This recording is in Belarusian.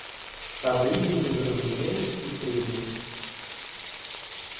Тады людзі зразумеюць і прымуць.